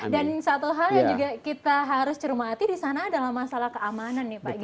dan satu hal yang juga kita harus cermati di sana adalah masalah keamanan nih pak